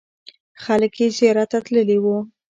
خلک یې زیارت ته تللې وو.